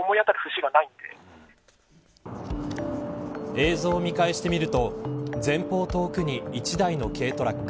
映像を見返してみると前方遠くに１台の軽トラック。